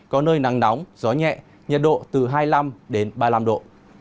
có nơi nắng nóng gió nhẹ nhiệt độ từ hai mươi năm đến ba mươi năm độ